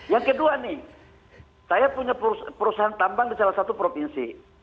yang kedua nih saya punya perusahaan tambang di salah satu provinsi